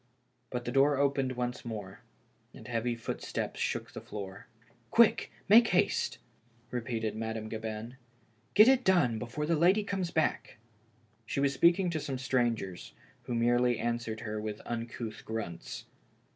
But the door opened once more, and heavy footsteps shook the floor. " Quick, make haste," repeated Madame Gabin. " Get it done before the lady comes back." She was speaking to some strangers, who merely answered her with uncouth grunts.